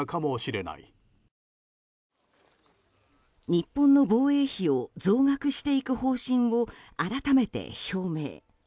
日本の防衛費を増額していく方針を改めて表明。